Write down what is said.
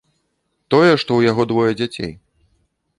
Тое, што ў яго двое дзяцей.